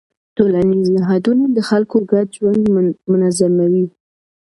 ټولنیز نهادونه د خلکو ګډ ژوند منظموي.